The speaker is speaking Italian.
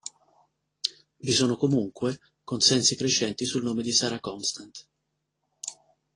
Vi sono comunque consensi crescenti sul nome di Sarah Constant.